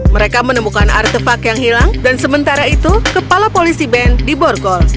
mereka menemukan artefak yang hilang dan sementara itu kepala polisi ben diborgol